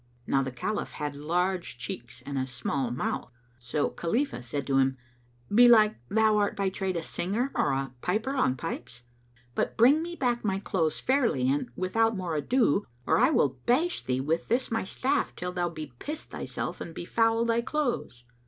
Now the Caliph had large cheeks and a small mouth; [FN#221] so Khalifah said to him, "Belike, thou art by trade a singer or a piper on pipes? But bring me back my clothes fairly and without more ado, or I will bash thee with this my staff till thou bepiss thyself and befoul they clothes."